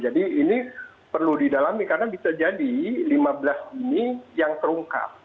jadi ini perlu didalami karena bisa jadi lima belas ini yang terungkap